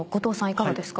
いかがですか？